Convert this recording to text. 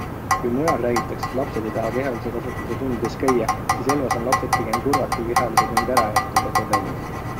Kui mujal räägitakse, et lapsed ei taha kehalise kasvatuse tundides käia, siis Elvas on lapsed pigem kurvad, kui kehalise tund ära jääb, tõdeb Evelin.